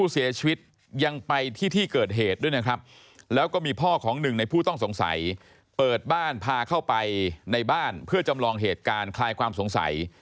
สงสัยเปิดบ้านพาเข้าไปในบ้านเพื่อจำลองเหตุการณ์คลายความสงสัย